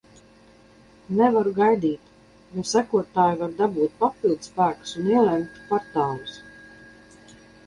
Nevaru gaidīt, jo sekotāji var dabūt papildspēkus un ielenkt kvartālus.